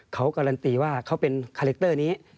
เขาการันตีว่าเขาเป็นคาแรคเตอร์นี้